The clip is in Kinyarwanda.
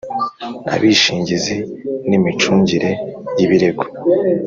abishingizi n imicungire y ibirego